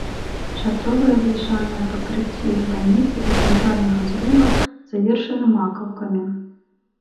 Шатровыя бляшаныя пакрыцці званіцы і цэнтральнага зруба завершаны макаўкамі.